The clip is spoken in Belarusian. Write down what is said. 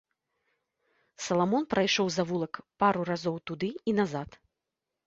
Саламон прайшоў завулак пару разоў туды і назад.